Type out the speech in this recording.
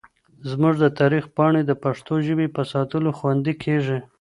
زموږ د تاریخ پاڼې د پښتو ژبې په ساتلو خوندي کېږي.